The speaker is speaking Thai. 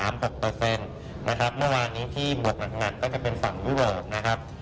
เมื่อกี้เรียกมาว่านี้ที่บวกขนาดก็จะเป็นส่อมวิวอทนะครับ